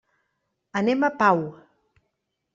Anem a Pau.